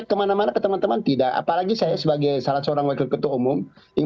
kemana mana ke teman teman tidak apalagi saya sebagai salah seorang wakil ketua umum